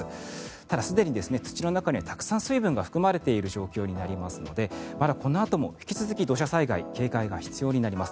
ただ、すでに土の中にはたくさん水分が含まれている状況になりますのでまだこのあとも引き続き、土砂災害警戒が必要になります。